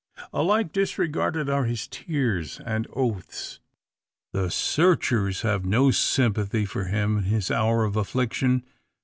Alike disregarded are his tears and oaths. The searchers have no sympathy for him in his hour of affliction.